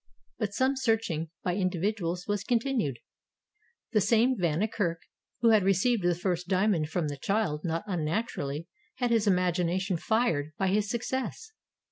But some searching by individuals was continued. The same Van Niekerk who had received the first diamond from the child not unnaturally had his imagination fired by his success.